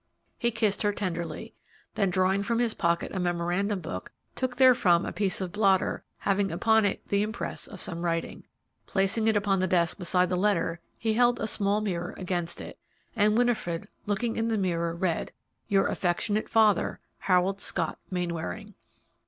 He kissed her tenderly, then drawing from his pocket a memorandum book, took therefrom a piece of blotter having upon it the impress of some writing. Placing it upon the desk beside the letter, he held a small mirror against it, and Winifred, looking in the mirror, read, "Your affectionate father, "HAROLD SCOTT MAINWARING."